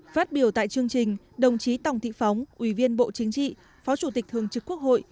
phát biểu tại chương trình đồng chí tòng thị phóng ủy viên bộ chính trị phó chủ tịch thường trực quốc hội